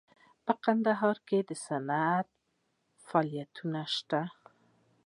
په کندهار کې صنعتي فعالیتونه شته